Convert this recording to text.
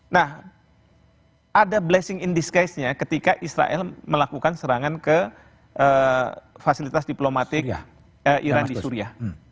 nah ada blessing in disguise nya ketika israel melakukan serangan ke fasilitas diplomatik iran di suria